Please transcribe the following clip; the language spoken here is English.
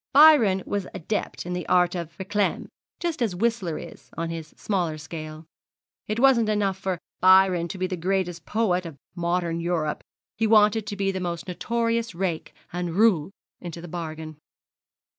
Byron was an adept in the art of réclame just as Whistler is on his smaller scale. It wasn't enough for Byron to be the greatest poet of modern Europe, he wanted to be the most notorious rake and roué into the bargain.'